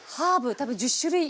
多分１０種類以上。